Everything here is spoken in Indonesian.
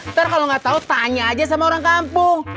ntar kalo ga tau tanya aja sama orang kampung